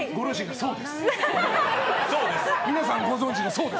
そうです。